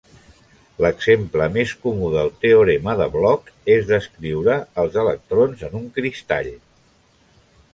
L'exemple més comú del teorema de Bloch és descriure els electrons en un cristall.